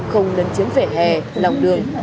không nấn chiếm vẻ hè lòng đường